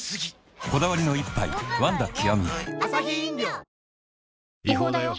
こだわりの一杯「ワンダ極」